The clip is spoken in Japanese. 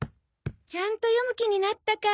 ちゃんと読む気になったか。